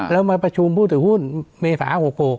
แล้วมาประชุมผู้ถือหุ้นเมษา๖๖